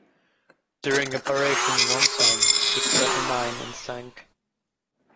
During Operation Wonsan she struck a mine and sunk.